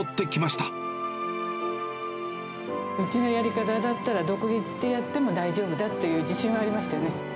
うちのやり方だったら、どこへ行ってやっても大丈夫だっていう自信はありましたね。